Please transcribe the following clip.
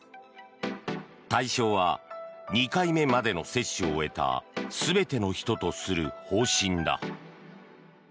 対象は２回目までの接種を終えた全ての人とする方針だ。